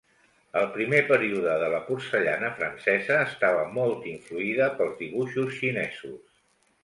El primer període de la porcellana francesa estava molt influïda pels dibuixos xinesos.